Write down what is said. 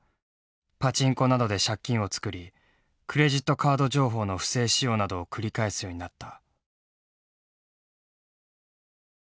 パチンコなどで借金を作りクレジットカード情報の不正使用などを繰り返すようになった。